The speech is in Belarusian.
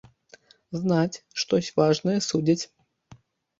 Знаць, штось важнае судзяць.